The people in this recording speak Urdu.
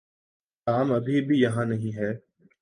ٹام ابھی بھی یہاں نہیں ہے۔